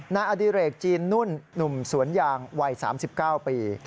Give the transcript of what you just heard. นายอดิเรกจีนนุ่นหนุ่มสวนยางวัย๓๙ปี